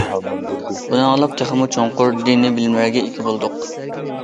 بۇنى ئاڭلاپ تېخىمۇ چوڭقۇر دىنىي بىلىملەرگە ئىگە بولدۇق.